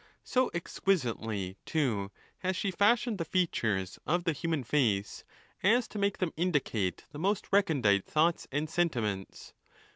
So exquisitely, too, has she fashioned the features of the human face, as to make them indicate the most recondite thoughts and sentiments.